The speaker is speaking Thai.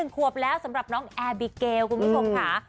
๑ขวบแล้วสำหรับแอบีเกลพวกผู้ชมข้า